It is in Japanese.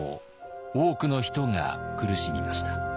多くの人が苦しみました。